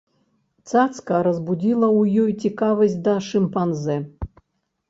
Цацка разбудзіла ў ёй цікавасць да шымпанзэ.